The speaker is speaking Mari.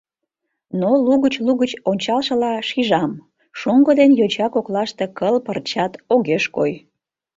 Но, лугыч-лугыч ончалшыла, шижам: шоҥго ден йоча коклаште кыл пырчат огеш кой.